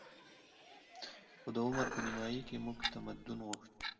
خو د عمر په نیمايي کې موږ تمدن غوښت